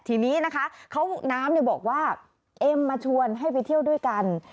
ทีนี้นะคะเขาน้ำบอกว่าเอ็มมาชวนให้ไปเที่ยวด้วยกัน